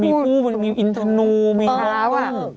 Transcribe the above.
มันมีผู้มันมีอินเทอร์นูมีขาว